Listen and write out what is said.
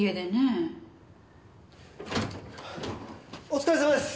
お疲れさまです。